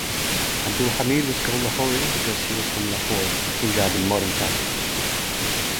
Abdul Hamid was called Lahori because he was from Lahore, Punjab in modern Pakistan.